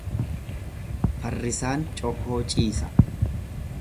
Farrisaan cokoo ciisa.